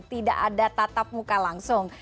tidak ada tatap muka langsung